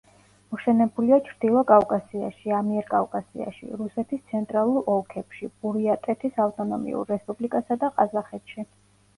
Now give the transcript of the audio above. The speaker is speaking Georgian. მოშენებულია ჩრდილო კავკასიაში, ამიერკავკასიაში, რუსეთის ცენტრალურ ოლქებში, ბურიატეთის ავტონომიურ რესპუბლიკასა და ყაზახეთში.